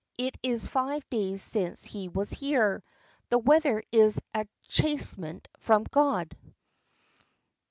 "It is five days since he was here. ... The weather is a chastisement from God."